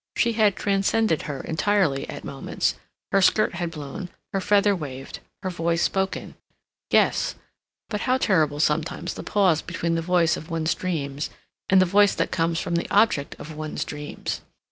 She had transcended her entirely at moments; her skirt had blown, her feather waved, her voice spoken; yes, but how terrible sometimes the pause between the voice of one's dreams and the voice that comes from the object of one's dreams!